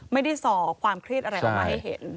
ส่อความเครียดอะไรออกมาให้เห็น